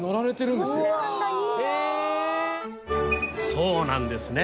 そうなんですね。